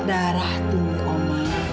darah tuh oma